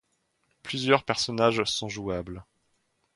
Plusieurs personnages sont jouables.